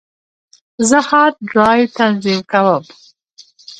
زه هارد ډرایو تنظیم کوم.